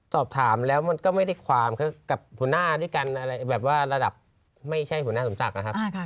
สอบถามแล้วมันก็ไม่ได้ความกับหัวหน้าด้วยกันอะไรแบบว่าระดับไม่ใช่หัวหน้าสมศักดิ์นะครับ